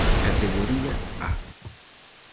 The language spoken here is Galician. Categoría A: